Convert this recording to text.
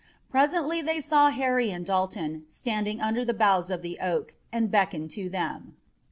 Presently they saw Harry and Dalton standing under the boughs of the oak, and beckoned to them.